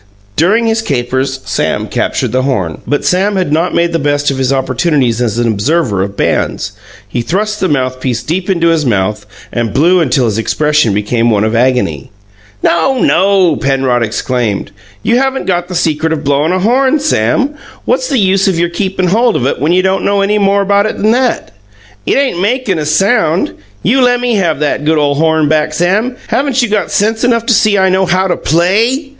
During his capers, Sam captured the horn. But Sam had not made the best of his opportunities as an observer of bands; he thrust the mouthpiece deep into his mouth, and blew until his expression became one of agony. "No, no!" Penrod exclaimed. "You haven't got the secret of blowin' a horn, Sam. What's the use your keepin' hold of it, when you don't know any more about it 'n that? It ain't makin' a sound! You lemme have that good ole horn back, Sam. Haven't you got sense enough to see I know how to PLAY?"